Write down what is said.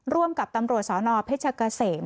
ร่วมกับตำรวจสนเพชรเกษม